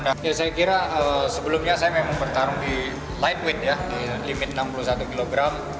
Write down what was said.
oke saya kira sebelumnya saya memang bertarung di lightweight ya di limit enam puluh satu kg